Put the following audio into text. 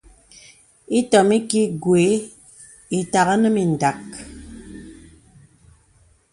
Itɔ̀m iki gwe ìtàghà nə mìndàk.